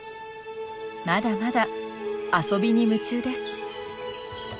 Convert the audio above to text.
まだまだ遊びに夢中です。